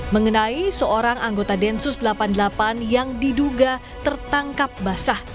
mengenai seorang anggota densus delapan puluh delapan yang diduga tertangkap basah